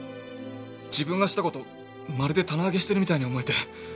自分がした事まるで棚上げしてるみたいに思えて。